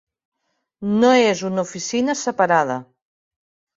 No és una oficina separada.